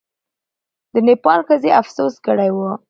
د نېپال ښځې افسوس کړی وو.